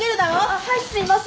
あっはいすいません。